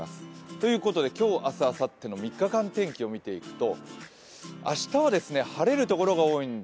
ということで、今日明日あさっての三日間天気を見ていきます。